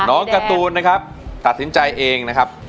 การ์ตูนนะครับตัดสินใจเองนะครับ